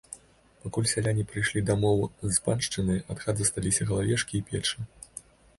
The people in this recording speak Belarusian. Пакуль сяляне прыйшлі дамоў з паншчыны, ад хат засталіся галавешкі і печы.